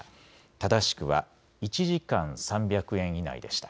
正しくは１時間３００円以内でした。